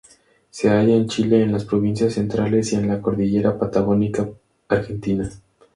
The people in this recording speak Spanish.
Se halla en Chile en las provincias centrales y en la cordillera patagónica argentina.